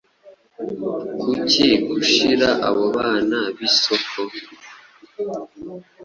Kuki gushira abo bana b'isoko,